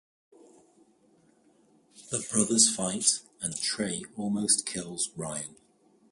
The brothers fight, and Trey almost kills Ryan.